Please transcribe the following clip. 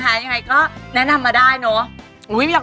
อย่างนี้นะคะยังไงก็แนะนำมาได้เนอะ